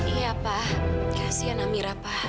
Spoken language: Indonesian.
iya pa kasian amirah pa